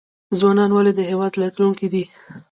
ځوانان ولې د هیواد راتلونکی دی؟